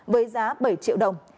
với giá bảy triệu đồng